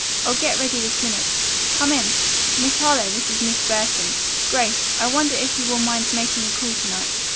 I'll get ready this minute. Come in. Miss Harlowe, this is Miss Burton. Grace, I wonder if you will mind making a call to night.